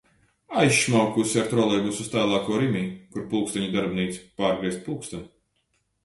Aizšmaukusi ar trolejbusu uz tālāko Rimi, kur pulksteņu darbnīca, pārgriezt pulksteni.